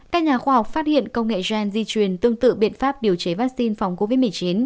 các nhà khoa học phát hiện công nghệ gen di truyền tương tự biện pháp điều chế vaccine phòng covid một mươi chín